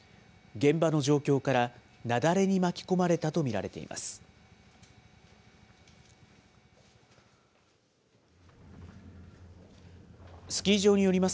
現場の状況から、雪崩に巻き込まれたと見られています。